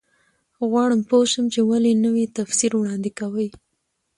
غواړم پوه شم چې ولې نوی تفسیر وړاندې کوي.